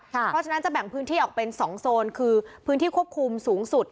เพราะฉะนั้นจะแบ่งพื้นที่ออกเป็น๒โซนคือพื้นที่ควบคุมสูงสุด